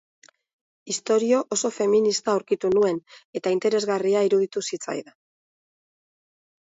Istorio oso feminista aurkitu nuen, eta interesgarria iruditu zitzaidan.